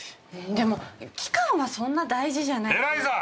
でも期間はそんな大事じゃない。